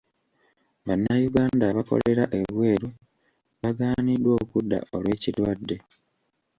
Bannayuganda abakolera ebweru bagaaniddwa okudda olw'ekirwadde.